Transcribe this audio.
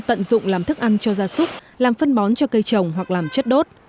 tận dụng làm thức ăn cho gia súc làm phân bón cho cây trồng hoặc làm chất đốt